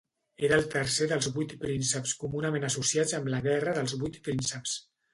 Era el tercer dels vuit prínceps comunament associats amb la Guerra dels Vuit Prínceps.